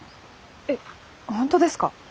えっ本当ですか？